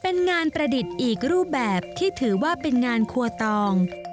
เป็นงานประดิษฐ์อีกรูปแบบที่ถือว่าเป็นงานครัวตอง